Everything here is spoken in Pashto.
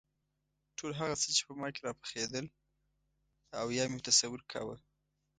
ټول هغه څه چې په ما کې راپخېدل او یا مې تصور کاوه.